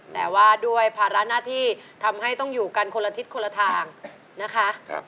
แต่ว่าด้วยภาระหน้าที่ทำให้ต้องอยู่กันคนละทิศคนละทางนะคะ